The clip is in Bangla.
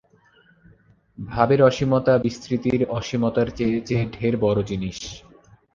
ভাবের আসীমতা বিস্তৃতির আসীমতার চেয়ে যে ঢের বড়ো জিনিস।